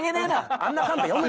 あんなカンペ読むな。